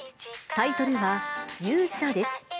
タイトルは勇者です。